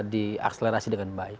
diakselerasi dengan baik